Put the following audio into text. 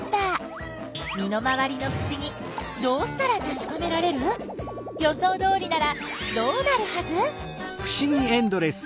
身の回りのふしぎどうしたらたしかめられる？予想どおりならどうなるはず？